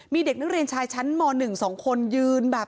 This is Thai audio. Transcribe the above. มีเด็กนักเรียนชายชั้นม๑๒คนยืนแบบ